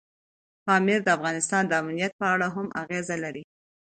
پامیر د افغانستان د امنیت په اړه هم اغېز لري.